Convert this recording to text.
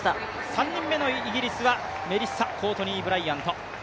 ３人目のイギリスはメリッサ・コートニーブライアント。